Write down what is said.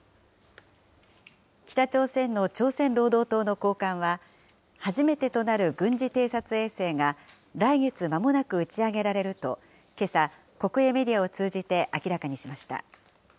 北朝鮮の朝鮮労働党の高官は、初めてとなる軍事偵察衛星が来月まもなく打ち上げられると、けさ、国営メディアを通じて明らかにしました。